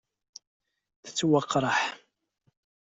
Tettwakṛeh.